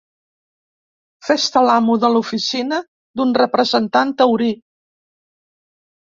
Fer-se l'amo de l'oficina d'un representant taurí.